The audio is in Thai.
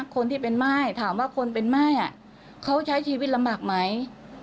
คนที่เป็นม่ายถามว่าคนเป็นม่ายเขาใช้ชีวิตลำบากไหม